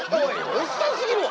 おっさんすぎるわ。